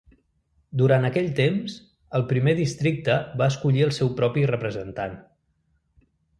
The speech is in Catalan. Durant aquell temps, el primer districte va escollir el seu propi representant.